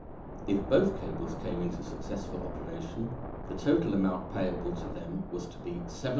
If both cables came into successful operation, the total amount payable to them was to be £737,140.